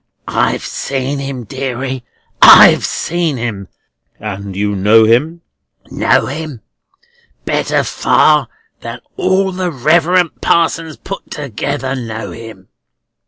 "I've seen him, deary; I've seen him!" "And you know him?" "Know him! Better far than all the Reverend Parsons put together know him."